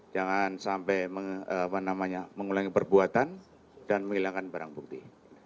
jangan sampai mengulangi perbuatan dan menghilangkan barang bukti